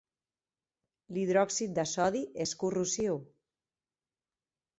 L'hidròxid de sodi és corrosiu.